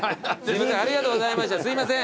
ありがとうございましたすいません。